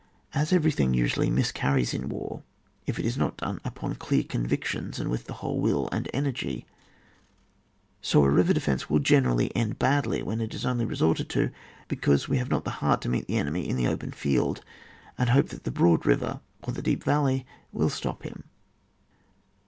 As everything usually miscarries in war, if it is not done upon clear convictions and with the whole voll and energy, so a river definc$ will generally end badly when it is only resorted to because we have not the heart to meet the enemy in the open field, and hope that the broad river or the deep valley will stop him.